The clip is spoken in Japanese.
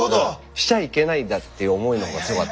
しちゃいけないんだっていう思いの方が強かったんですよ。